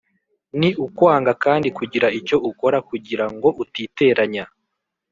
Ni ukwanga kandi kugira icyo ukora kugira ngo utiteranya.